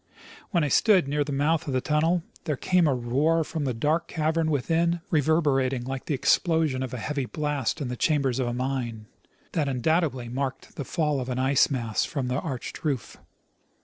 While I stood near the mouth of the tunnel there came a roar from the dark cavern within, reverberating like the explosion of a heavy blast in the chambers of a mine, that undoubtedly marked the fall of an ice mass from the arched roof.